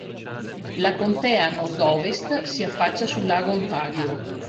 La contea a nord-ovest si affaccia sul lago Ontario.